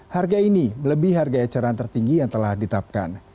harga ini lebih harga eceran tertinggi yang telah ditapkan